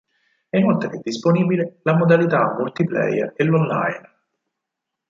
È inoltre disponibile la modalità multiplayer e l'online.